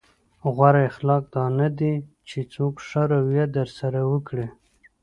غوره اخلاق دا نه دي چې څوک ښه رويه درسره وکړي.